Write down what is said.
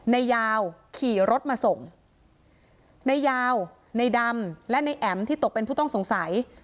ยาวขี่รถมาส่งในยาวในดำและในแอ๋มที่ตกเป็นผู้ต้องสงสัย